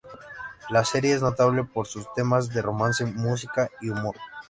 La serie es notable por sus temas de romance, música, y humor.